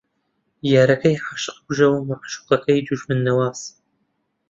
یارەکەی عاشق کوژ و مەعشووقەکەی دوژمن نەواز